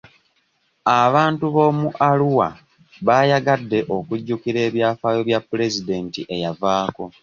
Abantu b'omu Arua baayagadde okujjukira ebyafaayo bya pulezidenti eyavaako.